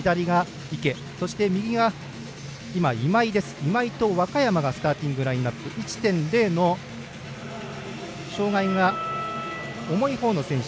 池、今井、若山がスターティングラインアップ１．０の障がいが重いほうの選手。